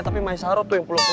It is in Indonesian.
tapi maisaroh tuh yang peluk peluk